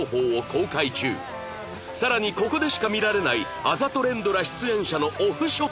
更にここでしか見られないあざと連ドラ出演者のオフショットも